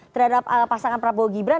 terhadap pasangan prabowo gibran